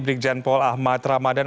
brik janpol ahmad ramadhan